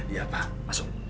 iya pak masuk